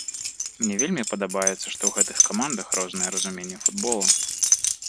Мне вельмі падабаецца, што ў гэтых камандах рознае разуменне футбола.